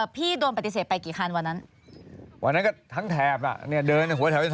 ครั้งแรกไม่ไปครั้งสองของสามสิไม่ไปตกลง